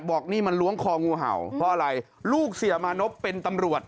บอกนี่มันล้วงคองูเห่าเพราะอะไรลูกเสียมานพเป็นตำรวจ